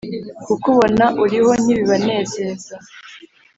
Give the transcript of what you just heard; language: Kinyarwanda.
kukubona uriho ntibibanezeza